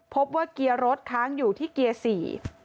พบว่าเกียร์รถค้างอยู่ที่เกียร์สี่